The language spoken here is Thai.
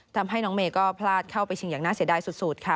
ทำให้น้องเมย์ก็พลาดเข้าไปชิงอย่างน่าเสียดายสุดค่ะ